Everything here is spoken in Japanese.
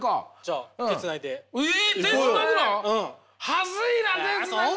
恥ずいな手をつなぐの。